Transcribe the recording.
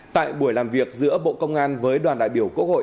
tại buổi làm việc giữa bộ công an với đoàn đại biểu quốc hội